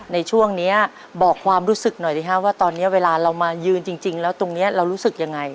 ในช่วงนี้บอกความรู้สึกหน่อยสิฮะว่าตอนนี้เวลาเรามายืนจริงแล้วตรงนี้เรารู้สึกยังไง